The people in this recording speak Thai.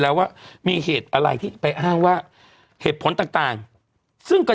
แล้วว่ามีเหตุอะไรที่ไปอ้างว่าเหตุผลต่างซึ่งก็